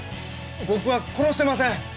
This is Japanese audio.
僕は殺してません！